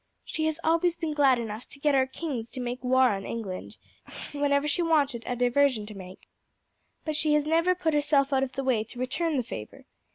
She has always been glad enough to get our kings to make war on England whenever she wanted a diversion made, but she has never put herself out of the way to return the favour.